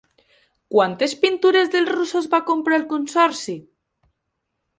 Quantes pintures dels russos va comprar el consorci?